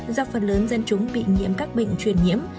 do phần lớn dân chúng bị nhiễm các bệnh truyền nhiễm